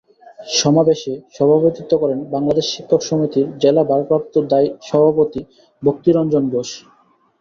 সমাবেশে সভাপতিত্ব করেন বাংলাদেশ শিক্ষক সমিতির জেলা ভারপ্রাপ্ত সভাপতি ভক্তি রঞ্জন ঘোষ।